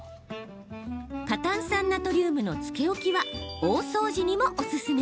過炭酸ナトリウムのつけ置きは大掃除にもおすすめ！